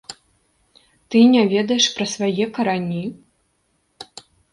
Ты не ведаеш пра свае карані?